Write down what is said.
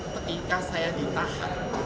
ketika saya ditahan